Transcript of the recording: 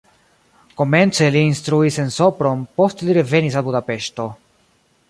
Komence li instruis en Sopron, poste li revenis al Budapeŝto.